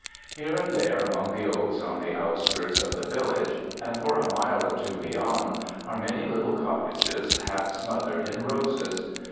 Here and there among the oaks on the outskirts of tlie village and for a mile or two beyond, are many little cottages half smothered in roses.